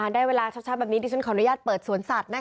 ได้เวลาเช้าแบบนี้ดิฉันขออนุญาตเปิดสวนสัตว์